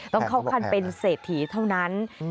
ต้องเข้าขั้นเป็นเศรษฐีเท่านั้น